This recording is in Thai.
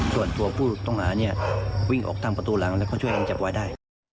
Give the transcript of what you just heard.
ส่วนตัวผู้ต้องหาเนี่ยวิ่งออกตามประตูหลังแล้วก็ช่วยกันจับไว้ได้